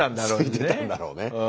すいてたんだろうね。